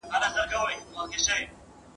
جهاني به هم سبا پر هغه لار ځي !.